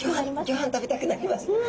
ギョはん食べたくなりますね。